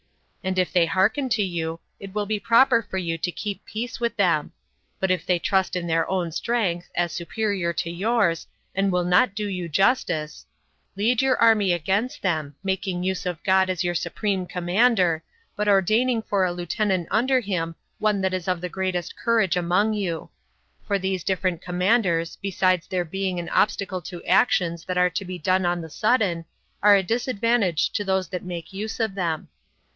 And if they hearken to you, it will be proper for you to keep peace with them; but if they trust in their own strength, as superior to yours, and will not do you justice, lead your army against them, making use of God as your supreme Commander, but ordaining for a lieutenant under him one that is of the greatest courage among you; for these different commanders, besides their being an obstacle to actions that are to be done on the sudden, are a disadvantage to those that make use of them.